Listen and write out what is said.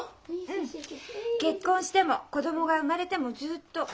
うん。結婚しても子供が生まれてもずっと。